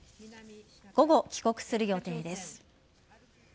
午後、帰国する予定です。